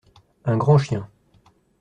Un grand chien.